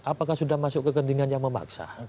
apakah sudah masuk ke ketinggian yang memaksa